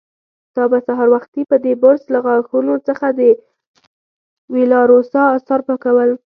تا به سهار وختي په دې برس له غاښونو څخه د وېلاروسا آثار پاکول.